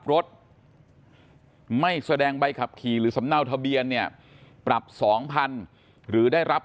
รถไม่แสดงใบขับขี่หรือสำเนาทะเบียนเนี่ยปรับ๒๐๐๐หรือได้รับ